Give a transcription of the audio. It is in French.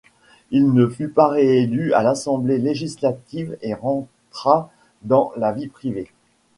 Il ne fut pas réélu à l'Assemblée législative, et rentra dans la vie privée.